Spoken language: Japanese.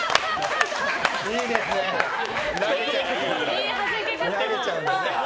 いいはじき方。